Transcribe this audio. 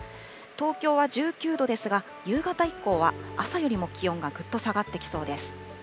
東京は１９度ですが、夕方以降は朝よりも気温がぐっと下がってきそうです。